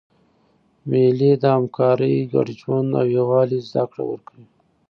مېلې د همکارۍ، ګډ ژوند او یووالي زدهکړه ورکوي.